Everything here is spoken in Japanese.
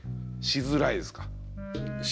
しづらいです。